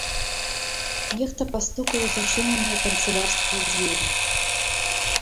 Нехта пастукаў у зачыненыя канцылярскія дзверы.